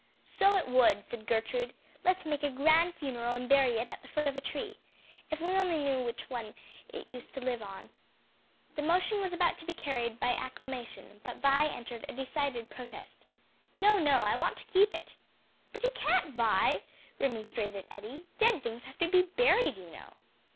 "So it would," said Gertrude, "let's make a grand funeral and bury it at the foot of a tree. If we only knew now which one it used to live on." The motion was about to be carried by acclamation, but Vi entered a decided protest. "No, no, I want to keep it." "But you can't, Vi," remonstrated Eddie, "dead things have to be buried, you know."